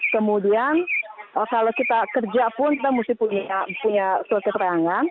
kemudian kalau kita kerja pun kita mesti punya surat keterangan